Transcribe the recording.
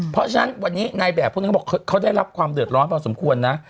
เพราะฉะนั้นวันนี้นายแบบพูดงี้เข้าได้รับความเด็ดร้อนมากสมควรนะ